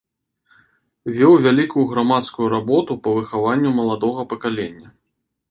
Вёў вялікую грамадскую работу па выхаванню маладога пакалення.